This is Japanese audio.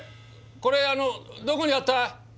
これどこにあった？